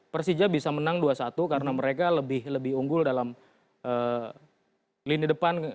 persija bisa menang dua satu karena mereka lebih unggul dalam lini depan